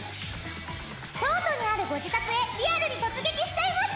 京都にあるご自宅へリアルに突撃しちゃいました！